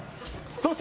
どうした？